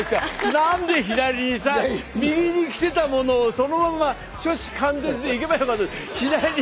何で左にさ右に来てたものをそのまんま初志貫徹でいけばよかった。